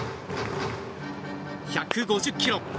１５０キロ。